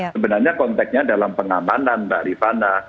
sebenarnya konteknya dalam pengamanan mbak rifana